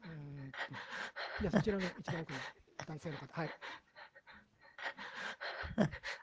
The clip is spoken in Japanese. そちらのいちばん奥の男性の方。